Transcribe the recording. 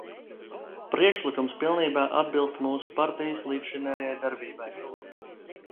Priekšlikums pilnībā atbilst mūsu partijas līdzšinējai darbībai.